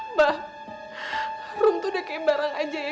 mbah rum tuh udah kayak barang aja ya